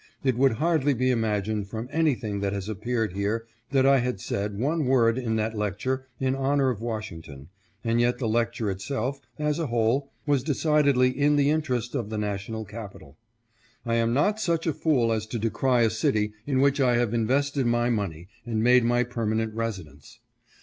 It would hardly be imagined from anything that has appeared here that I had said one word in that lecture in honor of Washington, and yet the lecture itself, as a whole, was decidedly in the interest of the national capital. I am not such a fool as to decry a city in which I have invested my money and made my permanent residence.